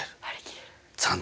残念。